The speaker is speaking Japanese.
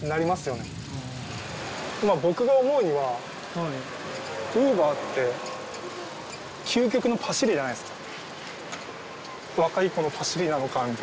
まあ僕が思うにはウーバーって究極のパシリじゃないっすか。